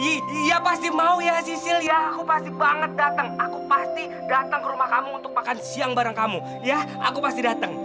iya pasti mau ya cicil ya aku pasti banget datang aku pasti datang ke rumah kamu untuk makan siang bareng kamu ya aku pasti datang